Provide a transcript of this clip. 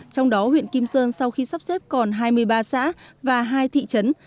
trong đó huyện kim sơn sau khi sắp xếp còn hai mươi ba xã và hai thị trấn